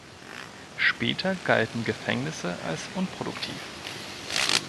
Später galten Gefängnisse als unproduktiv.